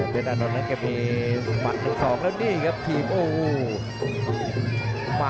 เพชรอนนท์นั้นก็มีมัน๑สองแล้วนี่ครับทีม